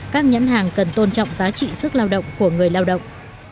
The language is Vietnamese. các nhãn hàng cần tôn trọng giá trị sức lao động của người lao động